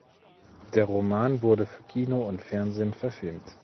Der Roman wurde für Kino und Fernsehen verfilmt.